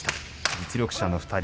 実力者の２人。